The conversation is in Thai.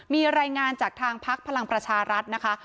มีรายงานจากทางพักพลังประชารัฐนะคะ